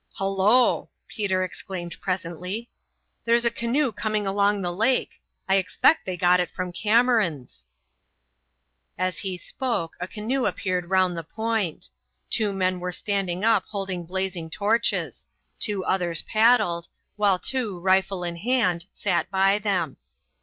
"Hullo!" Peter exclaimed presently. "There's a canoe coming along the lake. I expect they got it from Cameron's." As he spoke a canoe appeared round the point. Two men were standing up holding blazing torches; two others paddled; while two, rifle in hand, sat by them.